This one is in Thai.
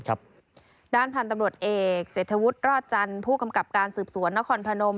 ด้านพันธุ์ตำรวจเอกเศรษฐวุฒิรอดจันทร์ผู้กำกับการสืบสวนนครพนม